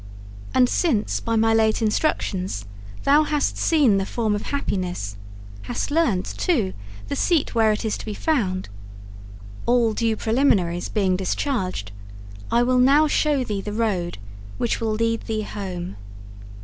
And since by my late instructions thou hast seen the form of happiness, hast learnt, too, the seat where it is to be found, all due preliminaries being discharged, I will now show thee the road which will lead thee home.